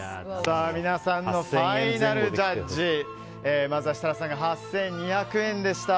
皆さんのファイナルジャッジまずは設楽さんが８２００円でした。